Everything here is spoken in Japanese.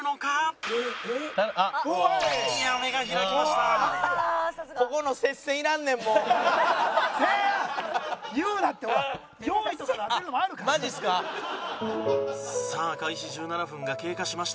さあ開始１７分が経過しました。